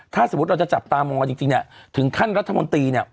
ถ้าสมมติเราจะจับตามองว่าจริงที่คันกรัฐมนตรีเนี่ย